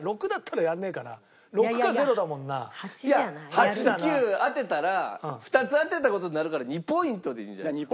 ８９当てたら２つ当てた事になるから２ポイントでいいんじゃないですか？